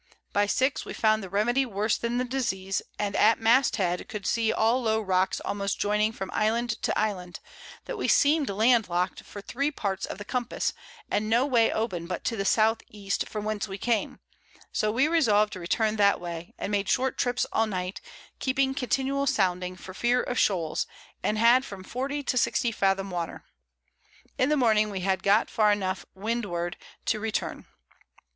By 6 we found the Remedy worse than the Disease, and at Mast head could see all low Rocks almost joining from Island to Island, that we seem'd Land lock'd for three Parts of the Compass, and no Way open but to the S.E. from whence we came, so we resolv'd to return that Way, and made short Trips all Night, keeping continual Sounding for fear of Shoals, and had from 40 to 60 Fathom Water. In the Morning we had got far enough to Windward to return.